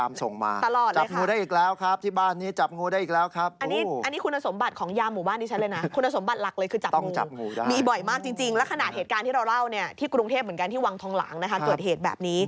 ไม่ต่างกันเลยครับ